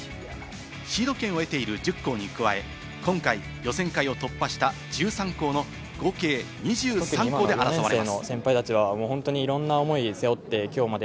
シード権を得ている１０校に加え、今回予選会を突破した１３校の合計２３校で争われます。